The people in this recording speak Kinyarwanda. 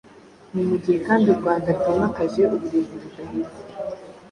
Ni mu gihe kandi u Rwanda rwimakaje uburezi budaheza.